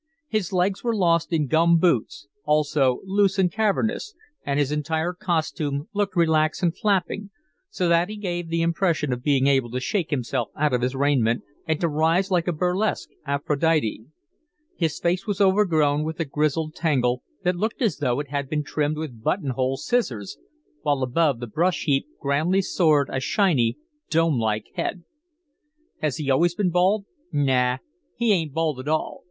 His legs were lost in gum boots, also loose and cavernous, and his entire costume looked relaxed and flapping, so that he gave the impression of being able to shake himself out of his raiment, and to rise like a burlesque Aphrodite. His face was overgrown with a grizzled tangle that looked as though it had been trimmed with button hole scissors, while above the brush heap grandly soared a shiny, dome like head. "Has he always been bald?" "Naw! He ain't bald at all.